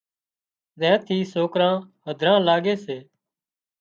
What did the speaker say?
زين ٿي سوڪران هڌران لاڳي سي